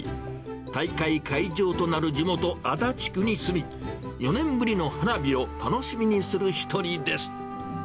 大会会場となる地元、足立区に住み、４年ぶりの花火を楽しみにする１人です。